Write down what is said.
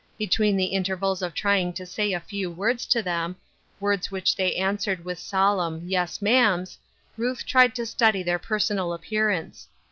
Between the intervals of trying to say a few words to them, words which they answered with solemn " Yes, ma'ams," Ruth tried to study their personal appearance.